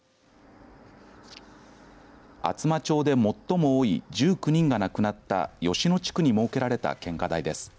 厚真町で最も多い１９人が亡くなった吉野地区に設けられた献花台です。